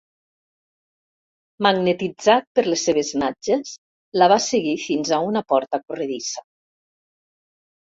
Magnetitzat per les seves natges, la va seguir fins a una porta corredissa.